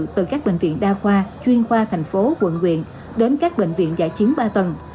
từ các bệnh viện đa khoa chuyên khoa thành phố quận quyện đến các bệnh viện giải chiến ba tầng